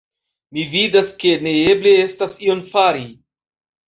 Mi vidas, ke neeble estas ion fari!